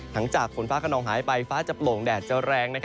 หลังจากฝนฟ้ากระนองหายไปฟ้าจะปลูกแดดแรง